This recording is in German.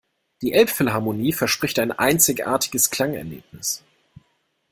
Die Elbphilharmonie verspricht ein einzigartiges Klangerlebnis.